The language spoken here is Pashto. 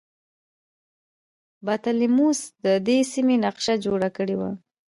بطلیموس د دې سیمې نقشه جوړه کړې وه